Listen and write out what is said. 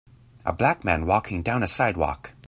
A black man walking down a sidewalk.